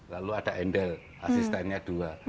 lalu ada endel asistennya dua